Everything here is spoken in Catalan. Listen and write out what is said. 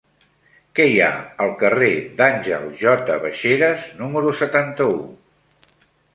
Què hi ha al carrer d'Àngel J. Baixeras número setanta-u?